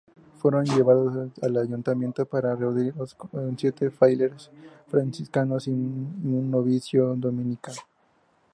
Fueron llevados al ayuntamiento para reunirlos con siete frailes franciscanos y un novicio dominico.